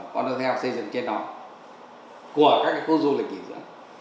con đô theo xây dựng trên đó của các khu du lịch kỷ dưỡng